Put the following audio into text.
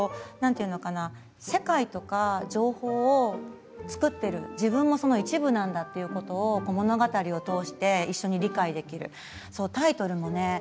世界とか情報を作っている自分もその一部なんだということを物語を通して一緒に理解できてタイトルもね